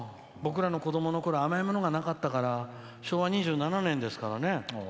僕らの子どものころは甘いものがなかったから昭和２７年ですからね。